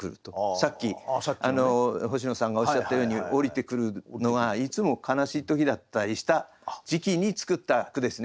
さっき星野さんがおっしゃったように降りてくるのがいつも悲しい時だったりした時期に作った句ですね